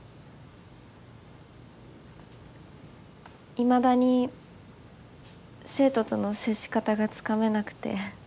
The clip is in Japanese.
いまだに生徒との接し方がつかめなくて。